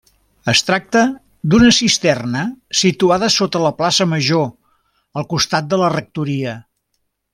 Es tracta d'una cisterna situada sota la plaça Major, al costat de la rectoria.